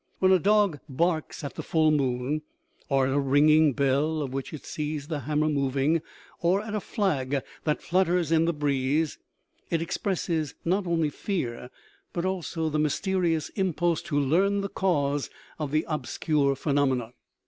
When a dog barks at the full moon, or at a ringing bell, of which it sees the ham mer moving, or at a flag that flutters in the breeze, it expresses not only fear, but also the mysterious im pulse to learn the cause of the obscure phenomenon.